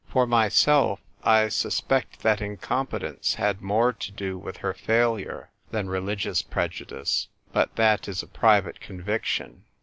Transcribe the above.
For myself, I suspect that incompetence had more to do with her failure than religious prejudice ; but that is a private conviction.